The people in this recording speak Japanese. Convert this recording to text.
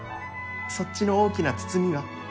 そっちの大きな包みは？